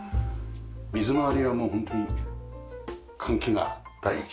水回りはもうホントに換気が第一。